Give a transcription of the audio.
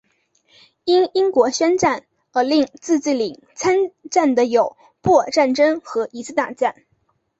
因英国宣战而令自治领参战的有布尔战争和一次大战。